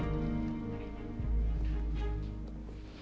bikin masalah di depan anak aku